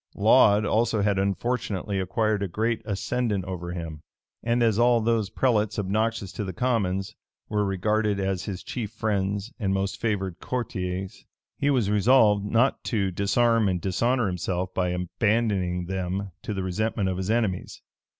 Laud also had unfortunately acquired a great ascendant over him; and as all those prelates obnoxious to the commons, were regarded as his chief friends and most favored courtiers, he was resolved not to disarm and dishonor himself by abandoning them to the resentment of his enemies.